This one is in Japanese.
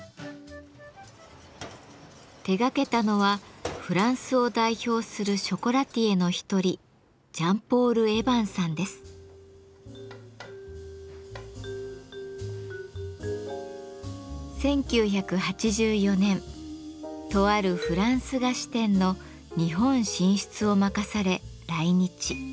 手がけたのはフランスを代表するショコラティエの一人１９８４年とあるフランス菓子店の日本進出を任され来日。